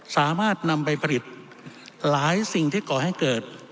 สามารถนำไปผลิตหลายสิ่งที่ก่อให้เกิด